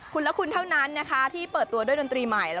คุณละคุณเท่านั้นนะคะที่เปิดตัวด้วยดนตรีใหม่